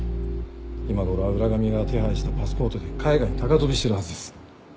今頃は浦上が手配したパスポートで海外に高飛びしてるはずです。